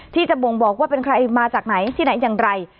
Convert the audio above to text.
ที่จะบ่งบอกว่าเป็นใครมาจากไหนที่ไหนอย่างไร